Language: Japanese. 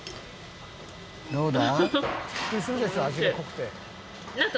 「どうだ？」